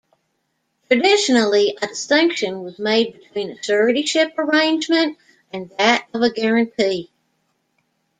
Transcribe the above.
Traditionally, a distinction was made between a suretyship arrangement and that of a guaranty.